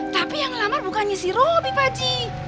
tapi yang ngelamar bukannya si robi pakcik